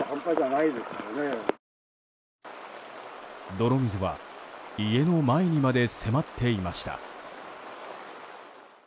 泥水は家の前にまで迫っていました。